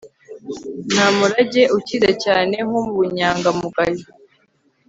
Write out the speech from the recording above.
nta murage ukize cyane nk'ubunyangamugayo